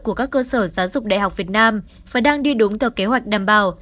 của các cơ sở giáo dục đại học việt nam và đang đi đúng theo kế hoạch đảm bảo